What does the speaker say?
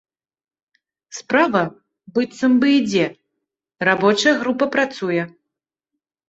Справа, быццам бы, ідзе, рабочая група працуе.